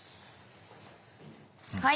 はい。